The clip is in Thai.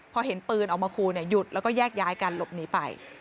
พอเห็นปืนออกมาขู่หยุดแล้วก็แยกย้ายกันหลบหนีไป